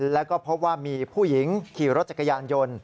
แล้วก็พบว่ามีผู้หญิงขี่รถจักรยานยนต์